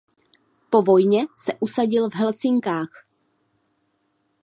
Po vojně se usadil v Helsinkách.